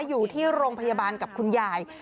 อยู่ที่โรงพยาบาลกับคุณยาย